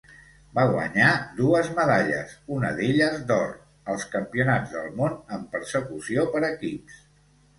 Va guanyar dues medalles, una d'elles d'or, als Campionats del món en Persecució per equips.